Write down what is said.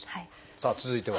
さあ続いては。